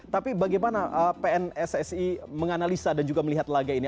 tapi bagaimana pnssi menganalisa dan juga melihat laga ini